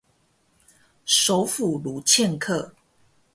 首府卢茨克。